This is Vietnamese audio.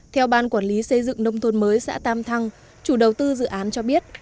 theo ban quản lý xây dựng nông thôn mới xã tam thăng chủ đầu tư dự án cho biết